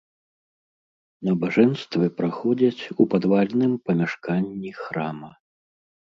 Набажэнствы праходзяць у падвальным памяшканні храма.